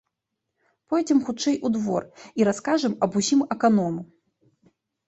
Пойдзем хутчэй у двор і раскажам аб усім аканому.